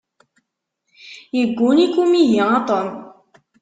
Yegguni-k umihi a Tom.